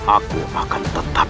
aku akan tetap